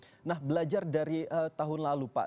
nah kita akan belajar dari eee tahun lalu pak